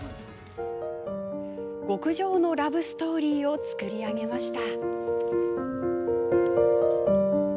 極上のラブストーリーを作り上げました。